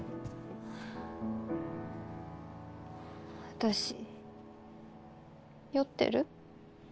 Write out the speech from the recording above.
私酔ってる？